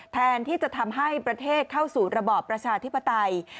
แทนที่จะทำให้ประเทศเข้าสู่ระบอบประชาธิปไตย